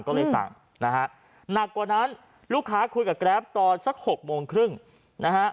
ก็เลยสั่งนะฮะหนักกว่านั้นลูกค้าคุยกับแกรปตอนสัก๖โมงครึ่งนะฮะ